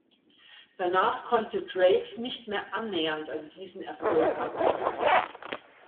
Danach konnte Drake nicht mehr annähernd an diesen Erfolg anknüpfen.